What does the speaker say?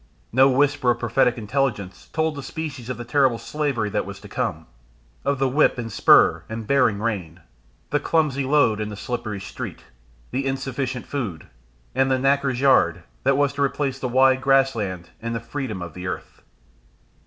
No whisper of prophetic intelligence told the species of the terrible slavery that was to come, of the whip and spur and bearing rein, the clumsy load and the slippery street, the insufficient food, and the knacker's yard, that was to replace the wide grass land and the freedom of the earth.